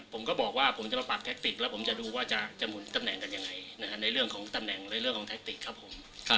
ผมก็บอกว่าผมจะมาปรับแท็กติกแล้วผมจะดูว่าจะหมุนตำแหน่งกันยังไงในเรื่องของตำแหน่งหรือเรื่องของแท็กติกครับผม